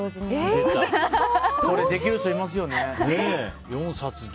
これできる人いますよね。